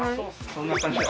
そんな感じで。